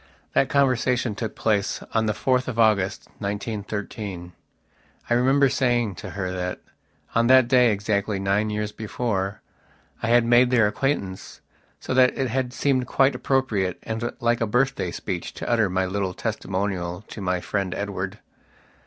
that conversation took place on the 4th of August, 1913. I remember saying to her that, on that day, exactly nine years before, I had made their acquaintance, so that it had seemed quite appropriate and like a birthday speech to utter my little testimonial to my friend Edward.